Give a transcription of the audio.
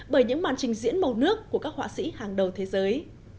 bởi những màn trình diễn màu nước của các họa sĩ hàng đầu thế giới